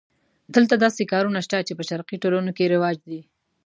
دلته داسې کارونه شته چې په شرقي ټولنو کې رواج دي.